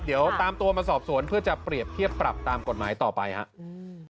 เดี๋ยวตามตัวมาสอบสวนเพื่อจะเปรียบเทียบปรับตามกฎหมายต่อไปครับ